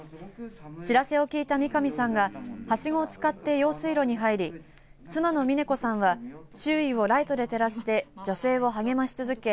知らせを聞いた三上さんがはしごを使って用水路に入り妻の峰子さんは周囲をライトで照らして女性を励まし続け